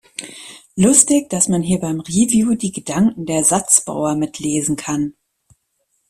Lustig, dass man hier beim Review die Gedanken der Satzbauer mitlesen kann!